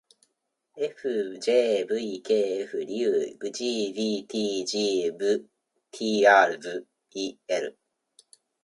ｆｊｖｋｆ りう ｇｖｔｇ ヴ ｔｒ ヴぃ ｌ